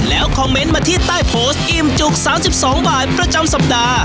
แล้วคอมเมนต์มาที่ใต้โพสต์อิ่มจุก๓๒บาทประจำสัปดาห์